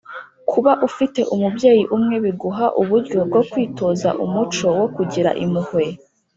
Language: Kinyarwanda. Kuba ufite umubyeyi umwe biguha uburyo bwo kwitoza umuco wo kugira impuhwe